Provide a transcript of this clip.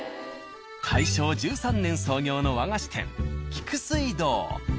大正１３年創業の和菓子店「菊水堂」。